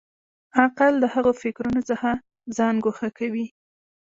عقل د هغو فکرونو څخه ځان ګوښه کوي.